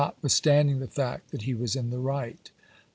viii withstanding the fact that he was in the right.